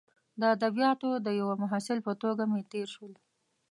د ادبیاتو د یوه محصل په توګه مې تیر شول.